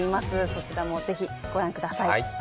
そちらもぜひご覧ください。